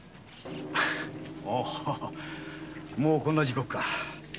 ・あもうこんな時刻か。